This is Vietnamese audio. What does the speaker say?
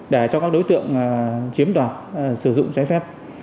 để cho các đối tượng chiếm đoạt sử dụng trái phép